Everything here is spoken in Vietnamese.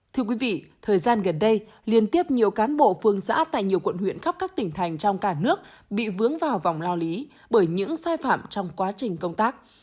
thưa quý vị thời gian gần đây liên tiếp nhiều cán bộ phương xã tại nhiều quận huyện khắp các tỉnh thành trong cả nước bị vướng vào vòng lao lý bởi những sai phạm trong quá trình công tác